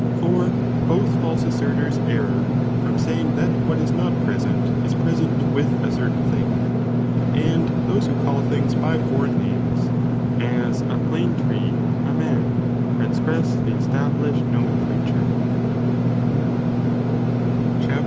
For both false assertors err, from saying that what is not present, is present with a certain thing, and those who call things by foreign names, as a plane tree a man, transgress the established nomenclature, Cuap.